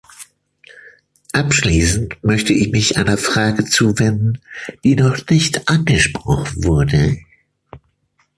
Abschließend möchte ich mich einer Frage zuwenden, die noch nicht angesprochen wurde.